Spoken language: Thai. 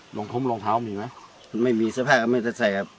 หลวงพุ่มหลวงเท้ามีนะไม่มีสภาพแล้วไม่ได้ใส่ครับ